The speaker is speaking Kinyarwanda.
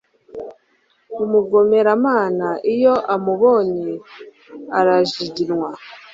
umugomeramana, iyo amubonye, arajiginywa